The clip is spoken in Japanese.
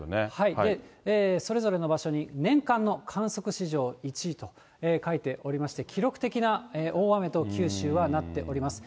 それぞれの場所に年間の観測史上１位と書いておりまして、記録的な大雨と、九州はなっております。